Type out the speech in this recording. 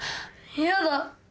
嫌だ。